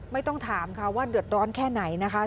ไม่ต้องถามค่ะว่าเดือดร้อนแค่ไหนนะคะ